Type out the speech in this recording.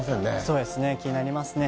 そうですね、気になりますね。